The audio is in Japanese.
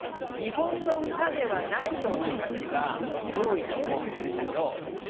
日本の歌ではないような歌詞が多いと思います。